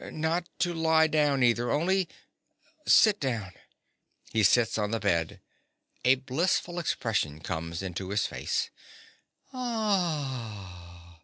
Not to lie down, either, only sit down. (_He sits on the bed. A blissful expression comes into his face.